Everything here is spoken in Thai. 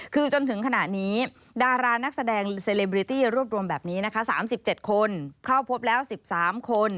คือจนถึงขณะนี้ดารานักแสดงเซเลบริตี้รวบรวมแบบนี้นะคะ๓๗คนเข้าพบแล้ว๑๓คน